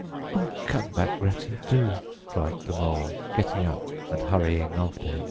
"Oh, come back, Ratty, do!" cried the Mole, getting up and hurrying after him.